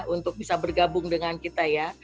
untuk bisa bergabung dengan kita ya